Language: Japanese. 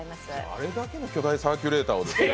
あれだけの巨大サーキュレーターをですね。